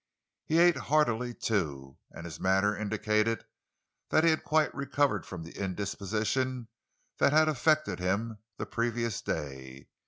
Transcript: He ate heartily, too; and his manner indicated that he had quite recovered from the indisposition that had affected him the previous day.